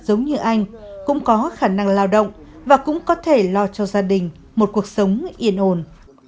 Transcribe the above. giống như anh cũng có khả năng lao động và cũng có thể lo cho gia đình một cuộc sống yên ổn